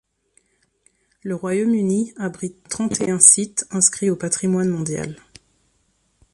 Le Royaume-Uni abrite trente-et-un sites inscrits au patrimoine mondial.